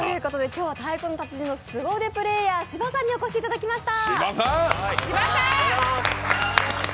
今日は「太鼓の達人」のすご腕プレーヤー、しばさんにお越しいただきました。